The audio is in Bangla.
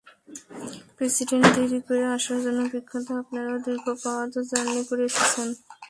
প্রেসিডেন্ট দেরি করে আসার জন্য বিখ্যাত, আপনারাও দীর্ঘ পথ জার্নি করে এসেছেন!